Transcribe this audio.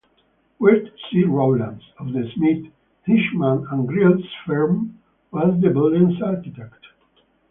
Wirt C. Rowland, of the Smith, Hinchman and Grylls firm, was the building's architect.